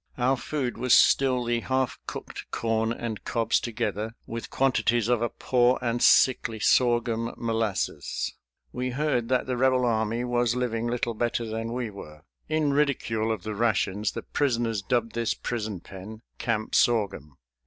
Our food was still the half cooked corn and cobs together, with quantities of a poor and sickly sorghum molasses. We heard that the Rebel army was living little better than we were. In ridicule of the rations the prisoners dubbed this prison pen "Camp Sorghum."